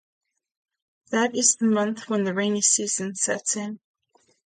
That is the month when the rainy season sets in.